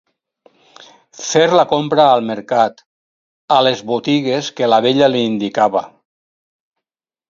Fer la compra al mercat, a les botigues que la vella li indicava.